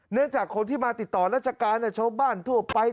จากคนที่มาติดต่อราชการชาวบ้านทั่วไป